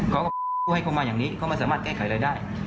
เขาก็ให้เขามาอย่างนี้เขาไม่สามารถแก้ไขอะไรได้